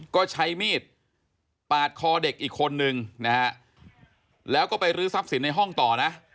ก็ใช้มีดปาดคอเด็กอีกคนนึงนะฮะแล้วก็ไปรื้อทรัพย์สินในห้องต่อนะ